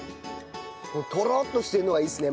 トロッとしてるのがいいですね